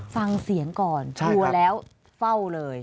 ฟังเสียงก่อนชัวร์แล้วเฝ้าเลย